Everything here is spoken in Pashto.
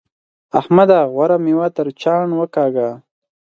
احمده! غوره مېوه تر چاڼ وکاږه.